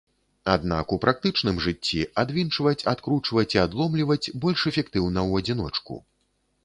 Аднак у практычным жыцці адвінчваць, адкручваць і адломліваць больш эфектыўна ў адзіночку.